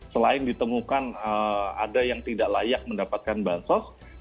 selain ditemukan ada yang tidak layak mendapatkan bahan sosial